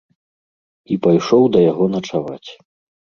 І пайшоў да яго начаваць.